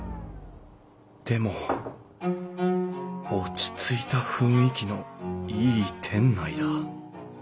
でも落ち着いた雰囲気のいい店内だ。